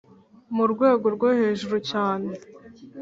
mu rwego rwo hejuru cyane